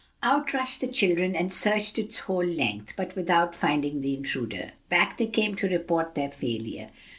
Out rushed the children and searched its whole length, but without finding the intruder. Back they came to report their failure.